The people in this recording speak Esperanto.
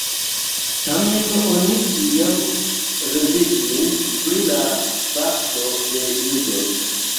Tamen oni ĉiam rezignis pri la bapto de judoj.